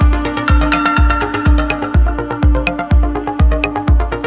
terima kasih pak